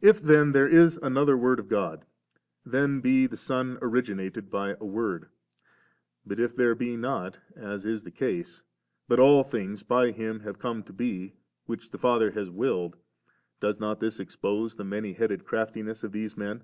62. If then there is another Word of God, then be the Son originated by a word; but if there be not, as is the case, but all things by Him have come to be, which the Father has willed, does not this expose the many headed ' craftiness of these men